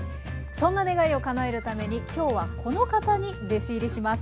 そんな願いをかなえるために今日はこの方に弟子入りします。